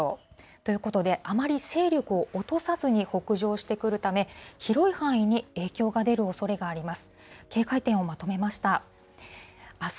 ということで、あまり勢力を落とさずに北上してくるため、広い範囲に影響が出るおそれがあります。